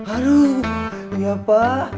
aduh iya pak